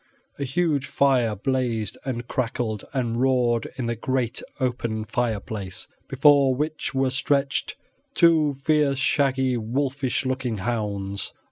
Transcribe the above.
A huge fire blazed and crackled and roared in the great open fireplace, before which were stretched two fierce, shaggy, wolfish looking hounds.